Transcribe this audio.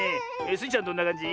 スイちゃんどんなかんじ？